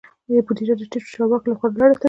بودیجه د ټیټو چارواکو لخوا لوړو ته ځي.